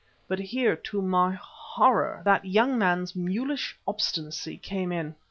But here, to my horror, that young man's mulish obstinacy came in.